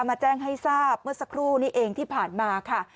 มาแจ้งให้ทราบเมื่อสักครู่นี้เองที่ผ่านมาค่ะ